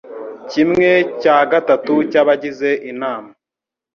kimwe cya gatatu cy’ abagize inama